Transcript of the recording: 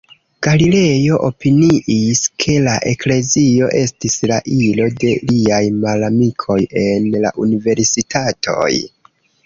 Galilejo opiniis, ke la Eklezio estis la ilo de liaj malamikoj en la universitatoj.